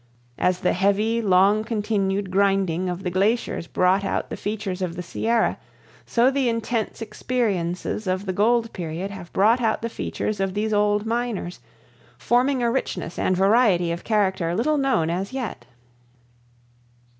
As the heavy, long continued grinding of the glaciers brought out the features of the Sierra, so the intense experiences of the gold period have brought out the features of these old miners, forming a richness and variety of character little known as yet.